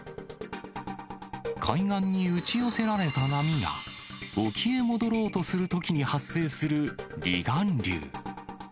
海岸に打ち寄せられた波が、沖へ戻ろうとするときに発生する離岸流。